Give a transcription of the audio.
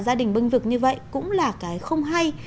gia đình bưng vực như vậy cũng là cái không hay